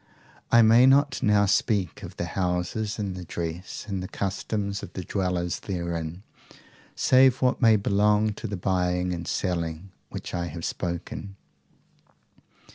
I may not now speak of the houses and the dress and the customs of the dwellers therein, save what may belong to the buying and selling of which I have spoken.